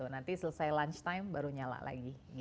nanti selesai lunch time baru nyala lagi